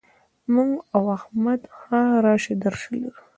موږ او احمد ښه راشه درشه لرو.